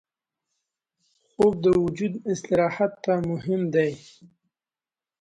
خوب د وجود استراحت ته مهم دی